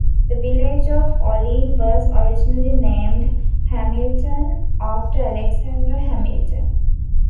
The village of Olean was originally named "Hamilton", after Alexander Hamilton.